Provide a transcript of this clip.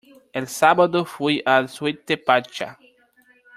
El sábado fui al Sweet Pachá.